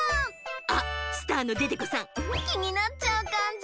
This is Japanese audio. あっスターのデテコさんきになっちゃうかんじ？